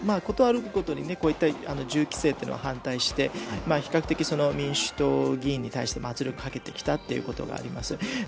事あるごとに、こうした銃規制というのは反対して比較的、民主党議員に対しても圧力をかけてきたということがあります。